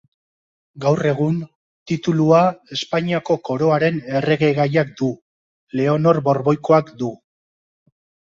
Gaur egun, titulua Espainiako Koroaren erregegaiak du, Leonor Borboikoak du.